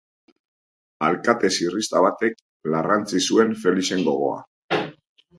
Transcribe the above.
Ahalke zirrizta batek larrantzi zuen Felixen gogoa.